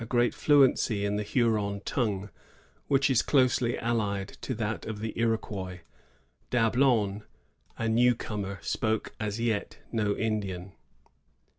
great fluency in the Huron tongue, which is closely allied to that of the Iroquois. Dablon, a new comer, spoke, as yet, no Indian.